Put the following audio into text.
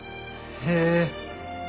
へえ。